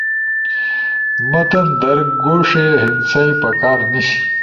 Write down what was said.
متن در گوݜے ہندسئی پکار نیِش